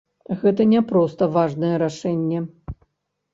Гэта не проста важнае рашэнне.